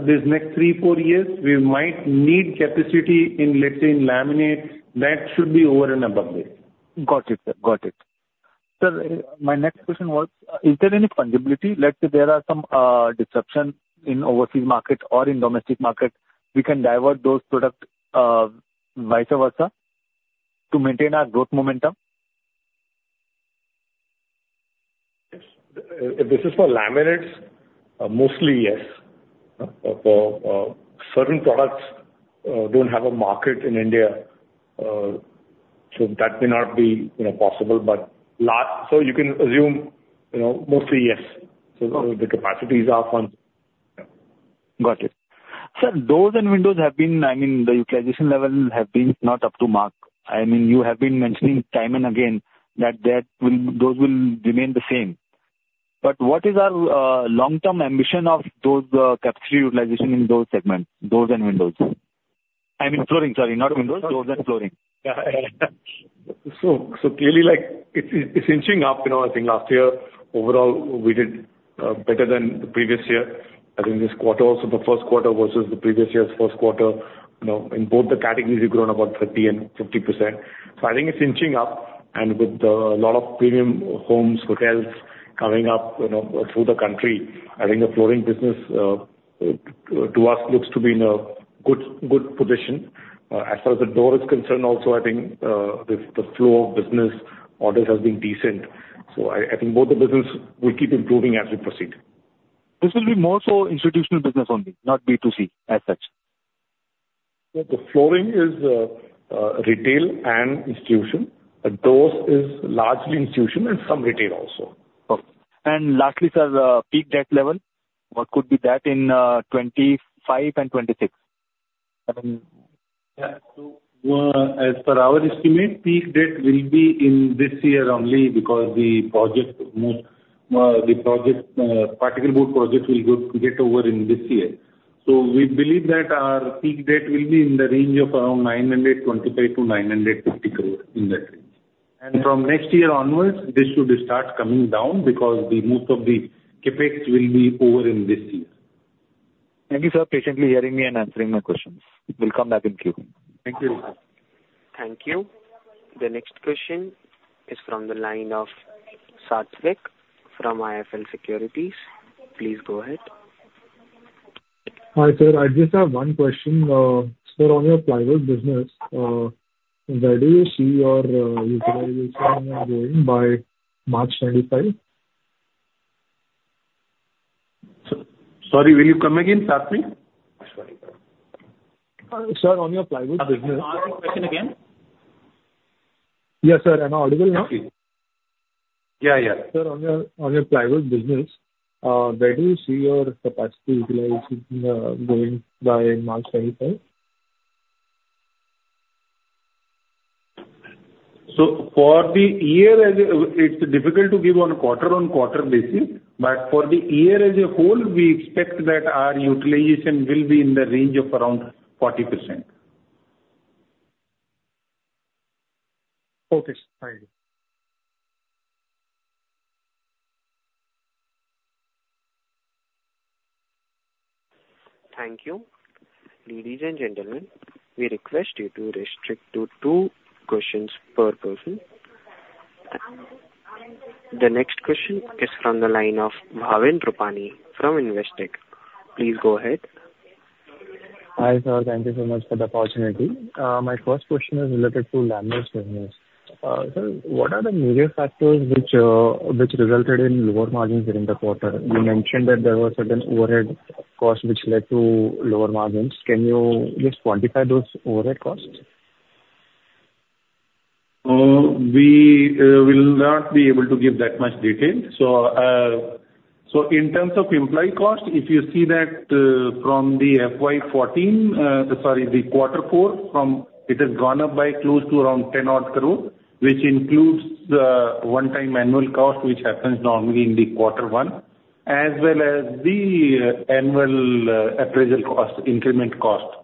these next 3-4 years, we might need capacity in, let's say, in laminate. That should be over and above this. Got it, sir. Got it. Sir, my next question was, is there any fungibility? Let's say there are some disruption in overseas market or in domestic market, we can divert those products vice versa to maintain our growth momentum? If this is for laminates, mostly yes. For certain products don't have a market in India, so that may not be possible. But so you can assume mostly yes. So the capacities are fungible. Got it. Sir, doors and windows have been—I mean, the utilization level has been not up to mark. I mean, you have been mentioning time and again that those will remain the same. But what is our long-term ambition of those capacity utilization in those segments, doors and windows? I mean, flooring, sorry, not windows, doors and flooring. So clearly, it's inching up. I think last year, overall, we did better than the previous year. I think this quarter, also the first quarter versus the previous year's first quarter, in both the categories, we grew on about 30% and 50%. So I think it's inching up. And with a lot of premium homes, hotels coming up through the country, I think the flooring business to us looks to be in a good position. As far as the door is concerned, also, I think the flow of business orders has been decent. So I think both the business will keep improving as we proceed. This will be more so institutional business only, not B2C as such? The flooring is retail and institution. The doors is largely institution and some retail also. Okay. Lastly, sir, the peak debt level, what could be that in 2025 and 2026? Yeah. So as per our estimate, peak debt will be in this year only because the project particle board project will get over in this year. So we believe that our peak debt will be in the range of around 925-950 crore in that range. And from next year onwards, this should start coming down because most of the CapEx will be over in this year. Thank you, sir, patiently hearing me and answering my questions. We'll come back in queue. Thank you. Thank you. The next question is from the line of Saatvik from IIFL Securities. Please go ahead. Hi, sir. I just have one question. Sir, on your plywood business, where do you see your utilization going by March 25? Sorry, will you come again? Saatvik? Sir, on your plywood business. Sarthvik, question again? Yes, sir. Am I audible now? Yeah, yeah. Sir, on your plywood business, where do you see your capacity utilization going by March 2025? For the year, it's difficult to give on quarter-on-quarter basis. For the year as a whole, we expect that our utilization will be in the range of around 40%. Okay. Thank you. Thank you. Ladies and gentlemen, we request you to restrict to two questions per person. The next question is from the line of Bhavin Rupani from Investec. Please go ahead. Hi, sir. Thank you so much for the opportunity. My first question is related to laminate business. Sir, what are the major factors which resulted in lower margins during the quarter? You mentioned that there were certain overhead costs which led to lower margins. Can you just quantify those overhead costs? We will not be able to give that much detail. So in terms of employee cost, if you see that from the FY 2014, sorry, the quarter four, it has gone up by close to around 10 crore, which includes the one-time annual cost, which happens normally in the quarter one, as well as the annual appraisal cost, increment cost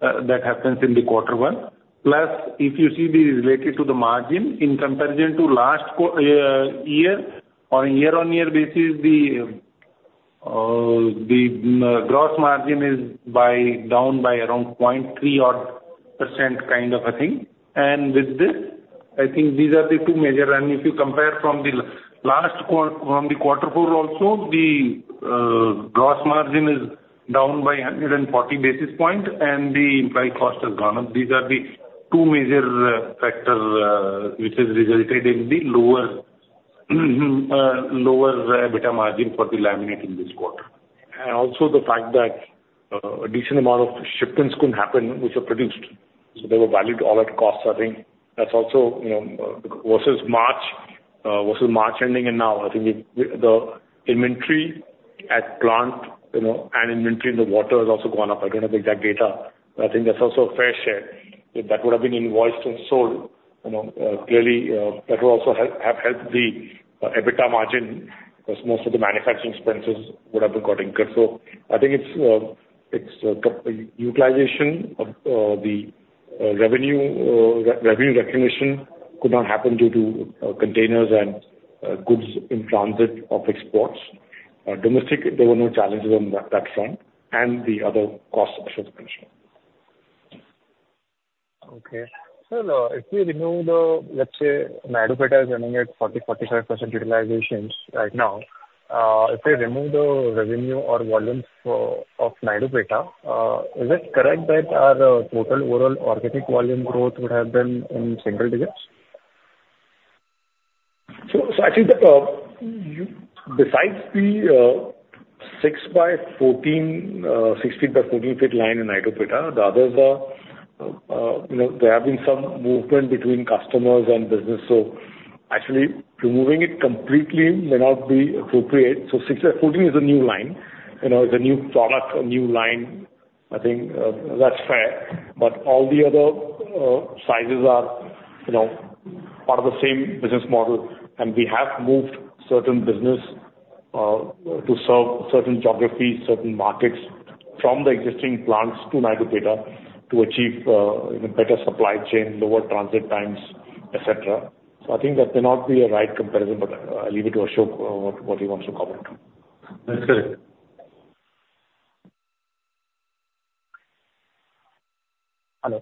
that happens in the quarter one. Plus, if you see the related to the margin, in comparison to last year on a year-on-year basis, the gross margin is down by around 0.3 odd % kind of a thing. And with this, I think these are the two major. And if you compare from the last quarter four also, the gross margin is down by 140 basis points, and the employee cost has gone up. These are the two major factors which have resulted in the lower EBITDA margin for the laminate in this quarter. Also, the fact that a decent amount of shipments couldn't happen, which are produced. So there were valued at all costs, I think. That's also versus March ending in now. I think the inventory at plant and inventory in the water has also gone up. I don't have exact data. I think that's also a fair share. If that would have been invoiced and sold, clearly, that would also have helped the EBITDA margin because most of the manufacturing expenses would have been gotten cut. So I think it's utilization of the revenue recognition could not happen due to containers and goods in transit of exports. Domestic, there were no challenges on that front and the other costs of manufacturing. Okay. Sir, if we remove the, let's say, Naidupeta is running at 40%-45% utilization right now, if we remove the revenue or volumes of Naidupeta, is it correct that our total overall organic volume growth would have been in single digits? So I think that besides the 6 by 14, 16 by 14 feet line in Naidupeta, the others, there have been some movement between customers and business. So actually, removing it completely may not be appropriate. So 6 by 14 is a new line. It's a new product, a new line. I think that's fair. But all the other sizes are part of the same business model. And we have moved certain business to serve certain geographies, certain markets from the existing plants to Naidupeta to achieve better supply chain, lower transit times, etc. So I think that may not be a right comparison, but I leave it to Ashok what he wants to comment. That's correct. Hello.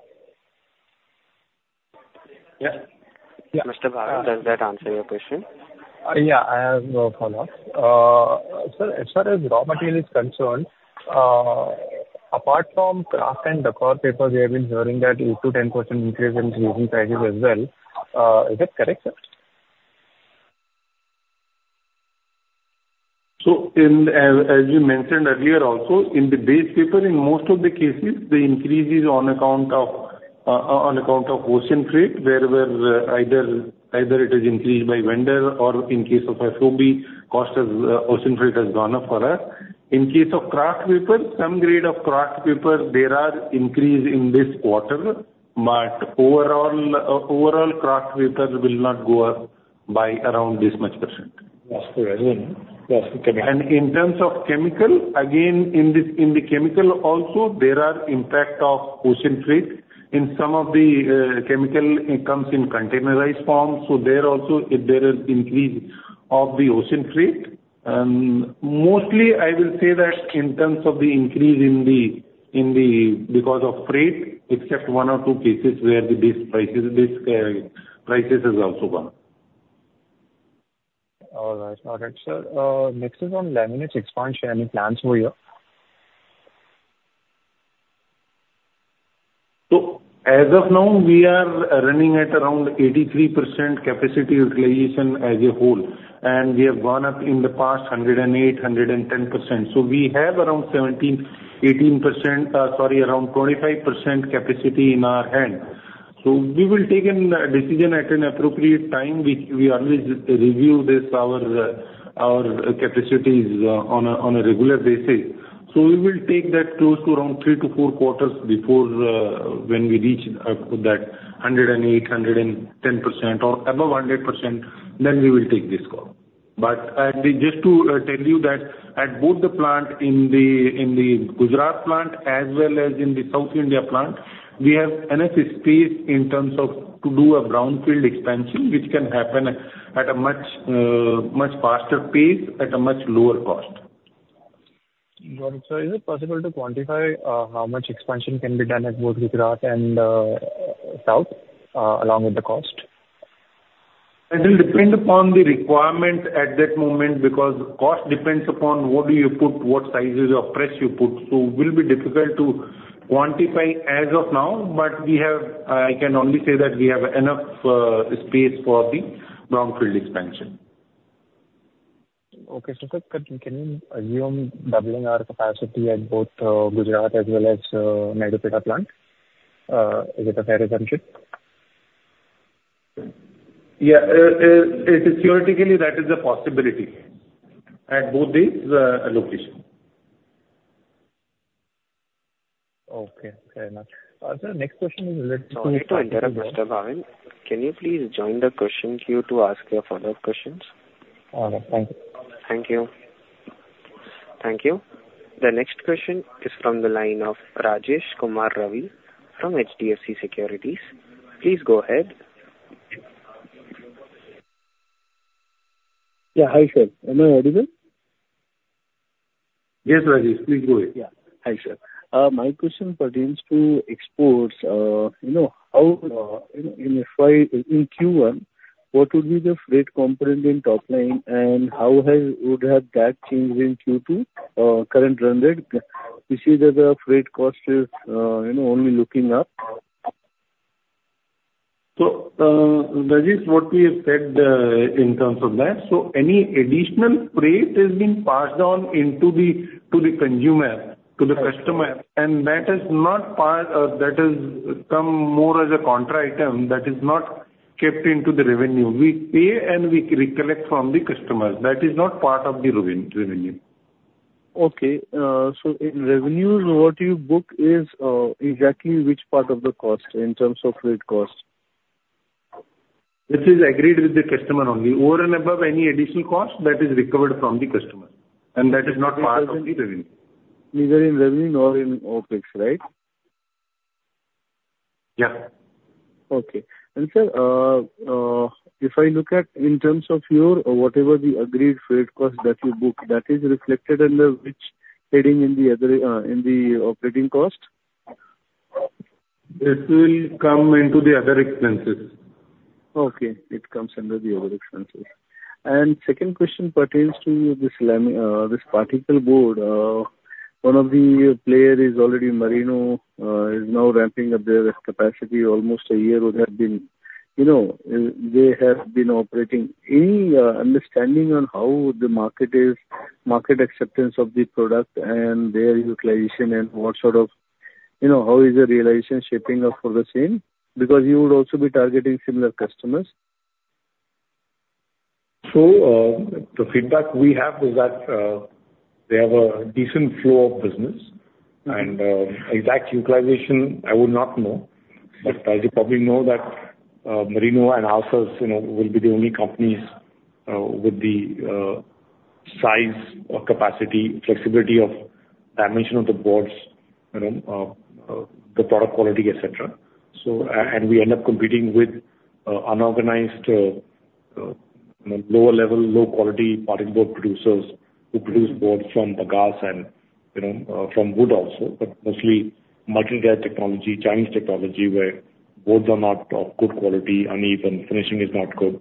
Yeah. Mr. Bhavin, does that answer your question? Yeah. I have a follow-up. Sir, as far as raw materials concerned, apart from kraft and decor paper, we have been hearing that 8%-10% increase in resin prices as well. Is that correct, sir? So as you mentioned earlier, also, in the base paper, in most of the cases, the increase is on account of ocean freight, where either it is increased by vendor or in case of FOB, ocean freight has gone up for us. In case of kraft paper, some grade of kraft paper, there are increases in this quarter. But overall, kraft paper will not go up by around this much %. That's correct. And in terms of chemical, again, in the chemical, also, there are impacts of ocean freight. In some of the chemical, it comes in containerized form. So there also, there is increase of the ocean freight. And mostly, I will say that in terms of the increase because of freight, except one or two cases where the base prices have also gone. All right. All right. Sir, next is on laminate expansion. Any plans for you? So as of now, we are running at around 83% capacity utilization as a whole. And we have gone up in the past 108%, 110%. So we have around 17, 18%, sorry, around 25% capacity in our hand. So we will take a decision at an appropriate time. We always review our capacities on a regular basis. So we will take that close to around 3 to 4 quarters before when we reach that 108%, 110%, or above 100%, then we will take this call. But just to tell you that at both the plant in the Gujarat plant as well as in the South India plant, we have enough space in terms of to do a brownfield expansion, which can happen at a much faster pace at a much lower cost. Got it. Is it possible to quantify how much expansion can be done at both Gujarat and South along with the cost? It will depend upon the requirement at that moment because cost depends upon what do you put, what sizes of press you put. So it will be difficult to quantify as of now. But I can only say that we have enough space for the brownfield expansion. Okay. So sir, can you assume doubling our capacity at both Gujarat as well as Naidupeta plant? Is it a fair assumption? Yeah. Theoretically, that is a possibility at both these locations. Okay. Fair enough. Sir, next question is related to. Mr. Bhavin, can you please join the question queue to ask your follow-up questions? All right. Thank you. Thank you. Thank you. The next question is from the line of Rajesh Kumar Ravi from HDFC Securities. Please go ahead. Yeah. Hi, sir. Am I audible? Yes, Rajesh. Please go ahead. Yeah. Hi, sir. My question pertains to exports. In Q1, what would be the freight component in top line? And how would that change in Q2 currently tendered? You see that the freight cost is only looking up. Rajesh, what we expect in terms of that, so any additional freight has been passed on to the consumer, to the customer. That has not come more as a contra item that is not kept into the revenue. We pay and we recollect from the customers. That is not part of the revenue. Okay. So in revenues, what you book is exactly which part of the cost in terms of freight cost? This is agreed with the customer only. Over and above any additional cost, that is recovered from the customer. That is not part of the revenue. Neither in revenue nor in OpEx, right? Yeah. Okay. And sir, if I look at in terms of your whatever the agreed freight cost that you book, that is reflected under which heading in the operating cost? It will come into the other expenses. Okay. It comes under the other expenses. And second question pertains to this particle board. One of the players is already Merino, is now ramping up their capacity. Almost a year would have been they have been operating. Any understanding on how the market is, market acceptance of the product and their utilization and what sort of how is the realization shaping up for the same? Because you would also be targeting similar customers. So the feedback we have is that they have a decent flow of business. Exact utilization, I would not know. But you probably know that Merino and others will be the only companies with the size, capacity, flexibility of dimension of the boards, the product quality, etc. We end up competing with unorganized, lower-level, low-quality particle board producers who produce boards from bagasse and from wood also, but mostly multilayer technology, Chinese technology, where boards are not of good quality, uneven, finishing is not good.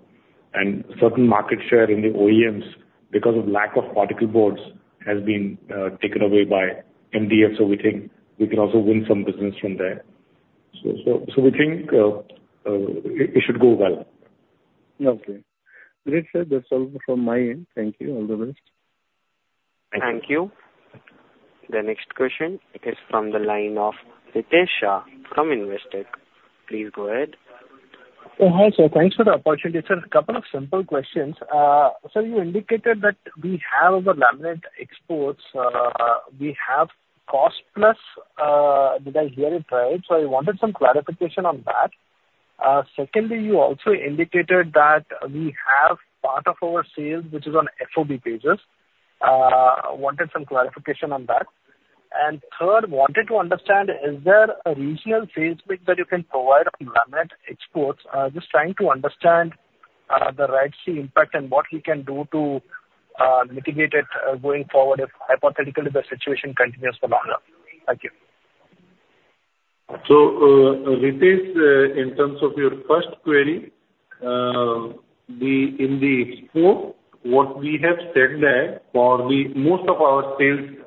Certain market share in the OEMs because of lack of particle boards has been taken away by MDF. So we think we can also win some business from there. So we think it should go well. Okay. Great, sir. That's all from my end. Thank you. All the best. Thank you. The next question is from the line of Ritesh Shah from Investec. Please go ahead. Hi, sir. Thanks for the opportunity. Sir, a couple of simple questions. Sir, you indicated that we have overall laminate exports. We have cost-plus. Did I hear it right? So I wanted some clarification on that. Secondly, you also indicated that we have part of our sales, which is on FOB basis. Wanted some clarification on that. And third, wanted to understand, is there a regional sales mix that you can provide on laminate exports? Just trying to understand the right impact and what we can do to mitigate it going forward if hypothetically the situation continues for longer. Thank you. So, Ritesh, in terms of your first query, in the export, what we have said that most of our sales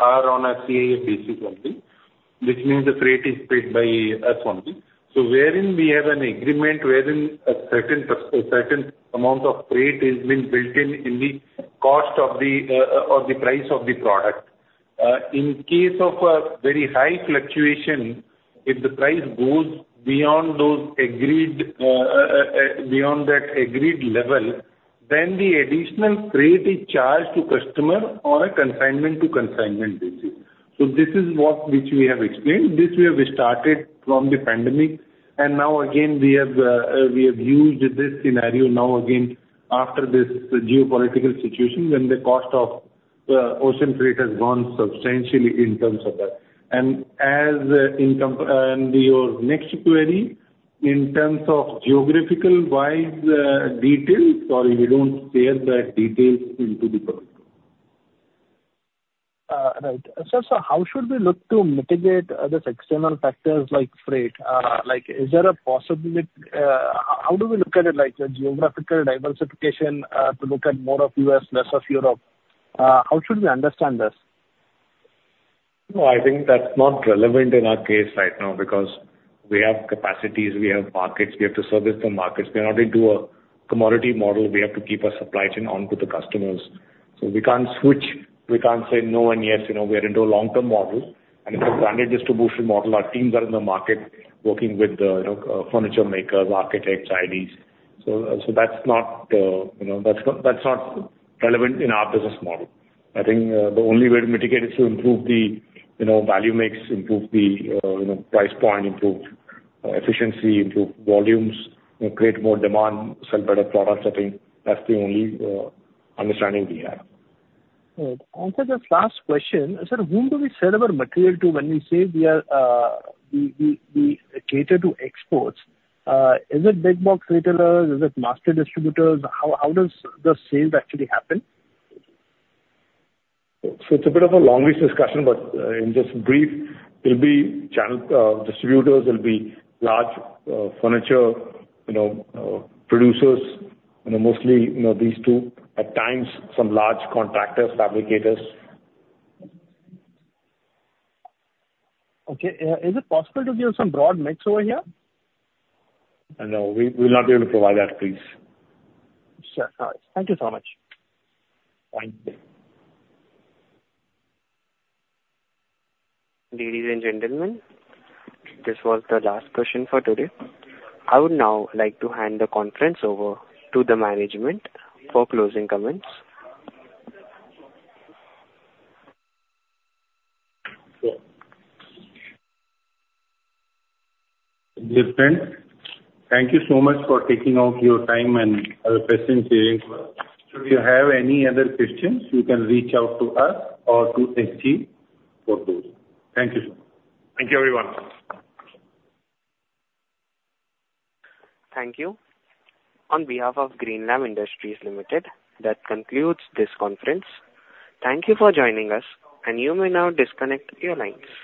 are on a C&F basis only, which means the freight is paid by us only. So wherein we have an agreement, wherein a certain amount of freight has been built in in the cost of the or the price of the product. In case of a very high fluctuation, if the price goes beyond that agreed level, then the additional freight is charged to customer on a consignment-to-consignment basis. So this is what which we have explained. This we have started from the pandemic. And now again, we have used this scenario now again after this geopolitical situation when the cost of ocean freight has gone substantially in terms of that. And your next query, in terms of geographical-wise details, sorry, we don't share the details into the product. Right. So how should we look to mitigate these external factors like freight? Is there a possibility? How do we look at it, like geographical diversification to look at more of U.S., less of Europe? How should we understand this? Well, I think that's not relevant in our case right now because we have capacities, we have markets, we have to service the markets. We are not into a commodity model. We have to keep our supply chain on to the customers. So we can't switch. We can't say no and yes. We are into a long-term model. And it's a standard distribution model. Our teams are in the market working with the furniture makers, architects, IDs. So that's not relevant in our business model. I think the only way to mitigate is to improve the value mix, improve the price point, improve efficiency, improve volumes, create more demand, sell better products. I think that's the only understanding we have. Good. And sir, this last question. Sir, whom do we sell our material to when we say we are catered to exports? Is it big box retailers? Is it master distributors? How does the sale actually happen? It's a bit of a long-winded discussion, but in just brief, it'll be channel distributors, it'll be large furniture producers, mostly these two, at times some large contractors, fabricators. Okay. Is it possible to give us some broad mix over here? No. We will not be able to provide that, please. Sure. All right. Thank you so much. Thank you. Ladies and gentlemen, this was the last question for today. I would now like to hand the conference over to the management for closing comments. Yes. Jiten, thank you so much for taking out your time and your questions. If you have any other questions, you can reach out to us or to SG for those. Thank you so much. Thank you, everyone. Thank you. On behalf of Greenlam Industries Limited, that concludes this conference. Thank you for joining us, and you may now disconnect your lines.